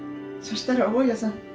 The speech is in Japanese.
そしたら大家さん」。